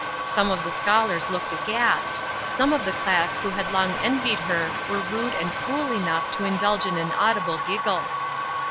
Some of the scholars looked aghast; some of the class who had long envied her were rude and cruel enough to indulge in an audible giggle.